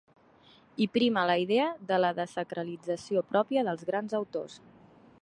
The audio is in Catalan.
Hi prima la idea de la dessacralització pròpia dels grans autors.